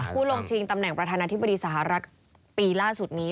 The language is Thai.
ผู้ลงชิงตำแหน่งประธานาธิบดีสหรัฐปีล่าสุดนี้